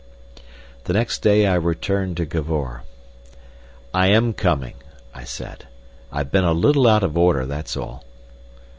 The next day I returned to Cavor. "I am coming," I said. "I've been a little out of order, that's all."